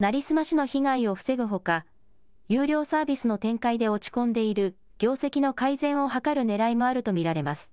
成り済ましの被害を防ぐほか有料サービスの展開で落ち込んでいる業績の改善を図るねらいもあると見られます。